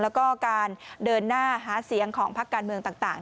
แล้วก็การเดินหน้าหาเสียงของพักการเมืองต่าง